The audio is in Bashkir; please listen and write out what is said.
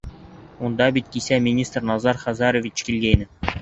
Унда бит кисә министр Назар Хазарович килгәйне.